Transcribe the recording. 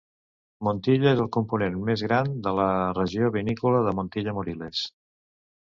Montilla és el component més gran de la regió vinícola de Montilla-Moriles.